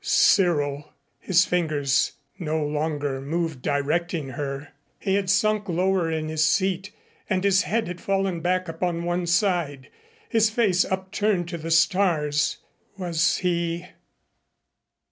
Cyril! His fingers no longer moved directing her. He had sunk lower in his seat and his head had fallen back upon one side, his face upturned to the stars. Was he